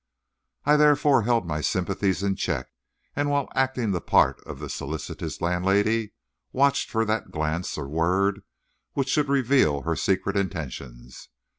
I therefore held my sympathies in check; and, while acting the part of the solicitous landlady, watched for that glance or word which should reveal her secret intentions.